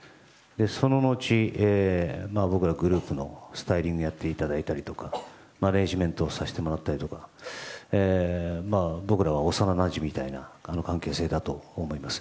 そののち、僕らグループのスタイリングをやっていただいたりとかマネジメントをしてもらったりとか僕らは幼なじみみたいな関係性だと思います。